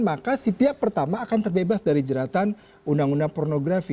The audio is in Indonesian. maka si pihak pertama akan terbebas dari jeratan undang undang pornografi